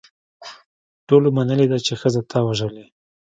ټولو منلې ده چې ښځه تا وژلې.